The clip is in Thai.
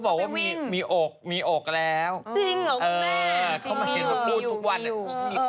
จนตอนนี้ยังไม่จ่ายตังค์ให้ฉันเลย